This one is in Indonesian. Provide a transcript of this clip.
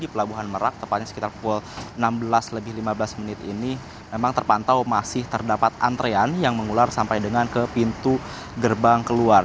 pelabuhan merak tepatnya sekitar pukul enam belas lebih lima belas menit ini memang terpantau masih terdapat antrean yang mengular sampai dengan ke pintu gerbang keluar